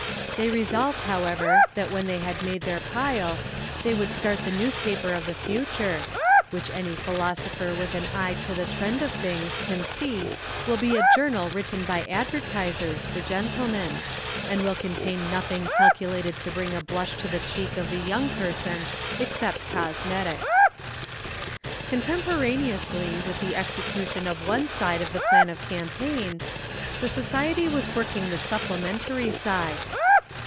They resolved, however, that when they had made their pile, they would start the newspaper of the future, which any philosopher with an eye to the trend of things can see will be a journal written by advertisers for gentlemen, and will contain nothing calculated to bring a blush to the cheek of the young person except cosmetics. Contemporaneously with the execution of one side of the Plan of Campaign, the Society was working the supplementary side.